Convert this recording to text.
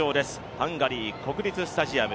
ハンガリー国立スタジアム